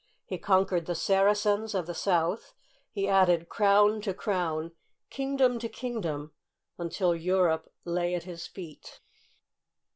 He conquered the Saracens of the South ; he added crown to crown, kingdom to kingdom, until Europe lay at his feet.